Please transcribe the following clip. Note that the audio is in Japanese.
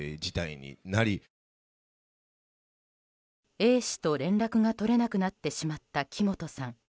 Ａ氏と連絡が取れなくなってしまった木本さん。